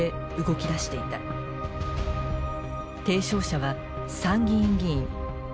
提唱者は参議院議員豊田雅孝。